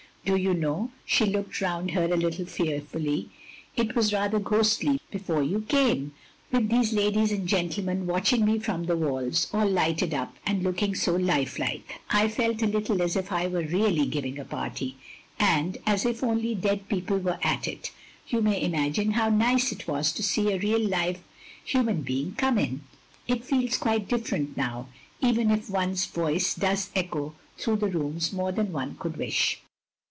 Do you know," she looked round her a little fearfully, "it was rather ghostly before you came, with these ladies and gentlemen watching me from the walls, all lighted up, and looking so lifelike. I felt a little as if I were really giving a party, and as if only dead people were at it. You may imagine how nice it was to see a real live htiman being come in. It feels quite dif ferent now, even if one's voice does echo through the rooms more than one could wish.